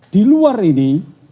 di luar ini